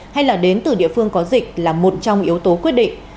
hay là đến từ địa phương có dịch là một trong yếu tố quyết định